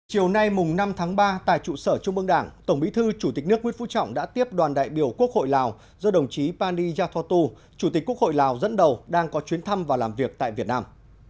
chiều nay năm tháng ba tại trụ sở trung mương đảng tổng bí thư chủ tịch nước nguyễn phú trọng đã tiếp đoàn đại biểu quốc hội lào do đồng chí pani yathotu chủ tịch quốc hội lào dẫn đầu đang có chuyến thăm và làm việc tại việt nam